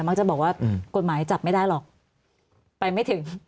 มักจะบอกว่ากฎหมายจับไม่ได้หรอกไปไม่ถึง